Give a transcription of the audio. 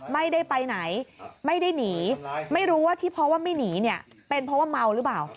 ไม่ได้ไปไหนไม่ได้หนีไม่รู้ว่าที่เพราะว่าไม่หนีเนี่ยเป็นเพราะว่าเมาหรือเปล่า